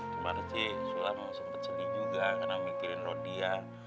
cuman sih sulam sempet celi juga karena mikirin lo dia